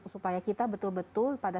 supaya kita betul betul pada